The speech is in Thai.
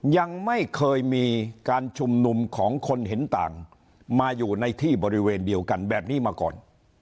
ยังไม่เคยมีการชุมนุมของคนเห็นต่างมาอยู่ในที่บริเวณเดียวกันแบบนี้มาก่อน